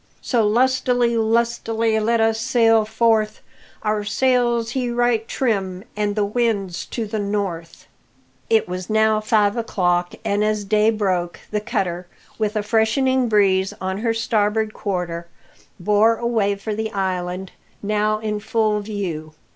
So lustily, lustily, let us sail forth! Our sails he right trim an' the wind's to the north!" It was now five o'clock, and as day broke the cutter, with a freshening breeze on her starboard quarter, bore away for the island, now in full view.